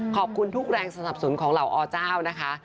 ขอบคุณทุกแรงสนับสนุนของเหล่าอเจ้านะคะ